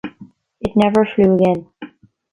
It never flew again.